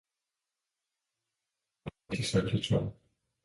Oh, hvor græd hun ikke de salte tårer!